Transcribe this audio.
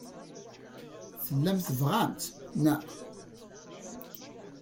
Tellam tebɣam-tt, naɣ?